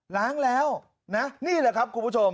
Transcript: ล้างแล้วนะนี่แหละครับคุณผู้ชม